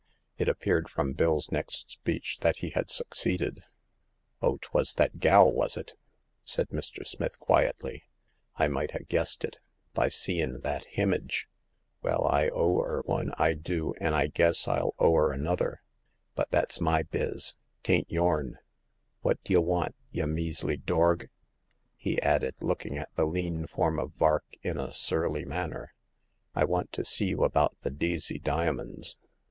It appeared from Bill's next speech that he had succeeded. Oh, 'twas that gal, wos it ?" said Mr. Smith, quietly. I might ha' guessed it, by seein' that himage. Well, I owe 'er one, I do, and I guess rU owe 'er another. But that's my biz ; 'tain't yourn. Wot d'ye want, y' measly dorg ?" he added, looking at the lean form of Vark in a surly manner. " I want to see you about the Deacey dia monds.